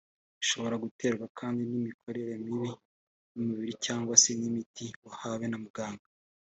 bishobora guterwa kandi n’imikorere mibi y’umubiri cyangwa se imiti wahawe na muganga